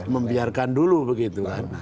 membiarkan dulu begitu kan